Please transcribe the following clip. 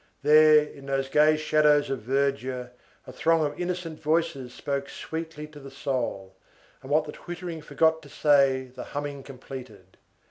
There, in those gay shadows of verdure, a throng of innocent voices spoke sweetly to the soul, and what the twittering forgot to say the humming completed.